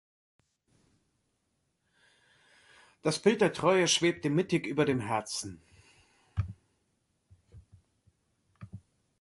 Das Bild der Treue schwebte mittig über dem Herzen.